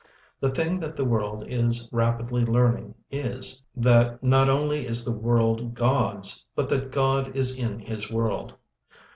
The thing that the world is rapidly learning is, that not only is the world God's but that God is in his world.